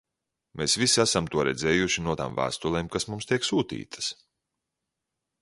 Mēs visi esam to redzējuši no tām vēstulēm, kas mums tiek sūtītas.